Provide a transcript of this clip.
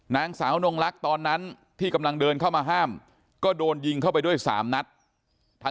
นางสาวนงลักษณ์ตอนนั้นที่กำลังเดินเข้ามาห้ามก็โดนยิงเข้าไปด้วย๓นัด